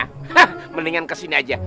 hah mendingan kesini aja